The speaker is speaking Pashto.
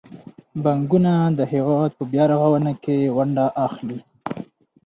بانکونه د هیواد په بیارغونه کې ونډه اخلي.